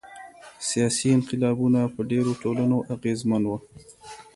سیاسي انقلابونه په ډیرو ټولنو اغیزمن وو.